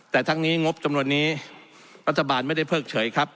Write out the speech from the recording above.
แต่ทั้งนี้งบจำนวนนี้รัฐบาลไม่ได้เพิกเฉยครับ